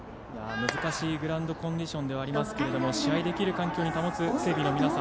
難しいグラウンドコンディションではありますが試合できる環境に保つ整備の皆さん